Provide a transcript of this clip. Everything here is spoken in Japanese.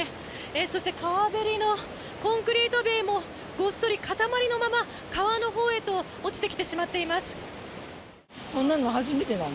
そして、川べりのコンクリート塀もごっそり塊のまま川のほうへと落ちてきてしまっています。